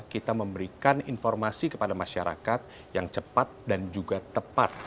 kita memberikan informasi kepada masyarakat yang cepat dan juga tepat